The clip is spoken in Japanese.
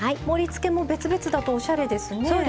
盛りつけも別々だとおしゃれですね。